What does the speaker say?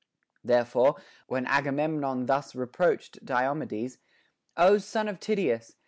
Therefore, when Agamemnon thus reproached Diomedes, O son of Tydeus